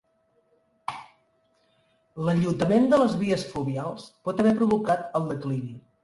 L'enllotament de les vies fluvials pot haver provocat el declivi.